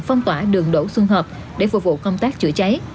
phong tỏa đường đỗ xuân hợp để phục vụ công tác chữa cháy